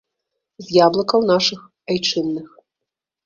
З яблыкаў нашых айчынных.